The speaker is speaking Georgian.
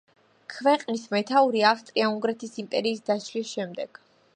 ქვეყნის მეთაური ავსტრია-უნგრეთის იმპერიის დაშლის შემდეგ.